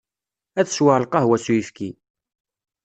Ad sweɣ lqahwa s uyefki.